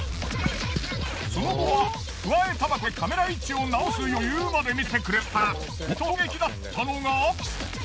その後はくわえタバコでカメラ位置を直す余裕まで見せてくれましたがもっと衝撃だったのが。